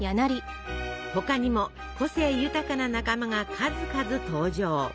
他にも個性豊かな仲間が数々登場。